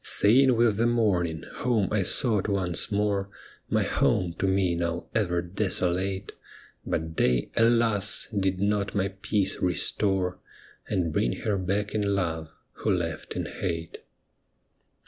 Sane with the morning, home I sought once more, My home to me now ever desolate ; But day, alas 1 did not my peace restore, And bring her back in love, who left in hate.